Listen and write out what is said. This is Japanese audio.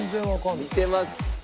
見てます。